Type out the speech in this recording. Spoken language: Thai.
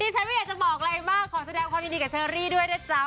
ฉันไม่อยากจะบอกอะไรมากขอแสดงความยินดีกับเชอรี่ด้วยนะจ๊ะ